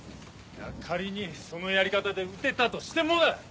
いや仮にそのやり方で撃てたとしてもだ！